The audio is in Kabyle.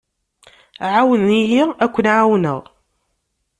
Ԑawen-iyi ad ken-εawneɣ.